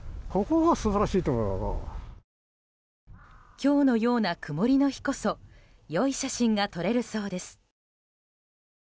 今日のような曇りの日こそ良い写真が撮れるそうです。